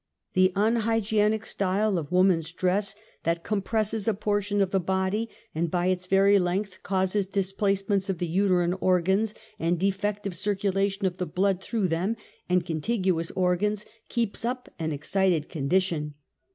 The unhygienic style of V woman's dress that compresses a portion of the body, and by its very length causes displacements of ■the uterine organs, and defective circulation of the blood through them and contiguous organs, keeps up "^an excited condition.